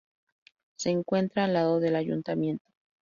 Se encuentra al lado del ayuntamiento.